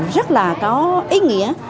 rất là có ý nghĩa